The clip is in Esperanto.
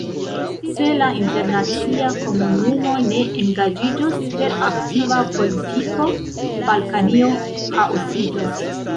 Se la internacia komunumo ne engaĝiĝos per aktiva politiko, Balkanio ĥaosiĝos.